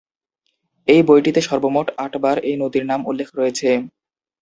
এই বইটিতে সর্বমোট আটবার এই নদীর নাম উল্লেখ রয়েছে।